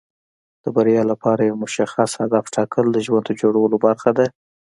د بریا لپاره یو مشخص هدف ټاکل د ژوند د جوړولو برخه ده.